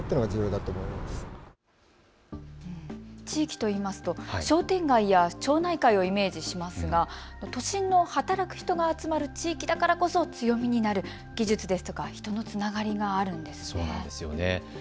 地域といいますと商店街や町内会をイメージしますが都心の働く人が集まる地域だからこそ強みになる技術ですとか人のつながりがあるんですね。